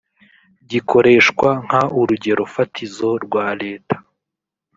gikoreshwa nk urugero fatizo rwa leta